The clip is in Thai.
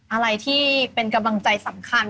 อะไรที่เป็นกำลังใจสำคัญ